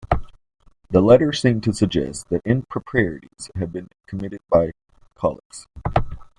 The letter seemed to suggest that improprieties had been committed by Caillaux.